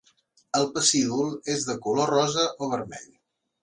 El pecíol és de color rosa o vermell.